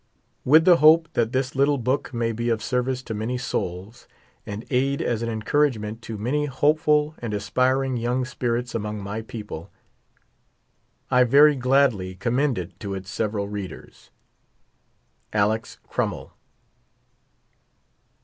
With the hoi)e that this little book may be of service to many souls, and aid as an encouragement to many hopeful and aspiring young spirits among my people, I very gladly commend it to its several readers. ALEX. CRUMMELL.